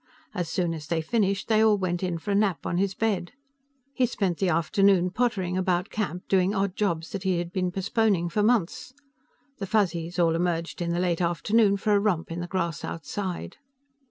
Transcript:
As soon as they finished, they all went in for a nap on his bed. He spent the afternoon pottering about camp doing odd jobs that he had been postponing for months. The Fuzzies all emerged in the late afternoon for a romp in the grass outside.